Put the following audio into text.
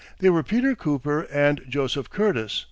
They were Peter Cooper and Joseph Curtis.